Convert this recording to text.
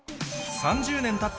３０年たった